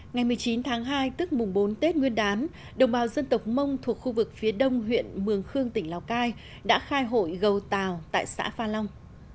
ngày một mươi chín tháng hai tức mùng bốn tết nguyên đán đồng bào dân tộc mông thuộc khu vực phía đông huyện mường khương tỉnh lào cai đã khai hội gầu tàu tại xã pha long